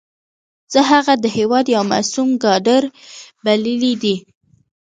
زه هغه د هېواد یو معصوم کادر بللی دی.